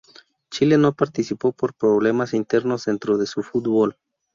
Chile no participó por problemas internos dentro de su futbol.